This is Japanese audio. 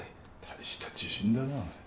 大した自信だな。